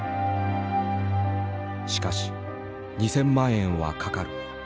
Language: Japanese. しかし２，０００万円はかかる。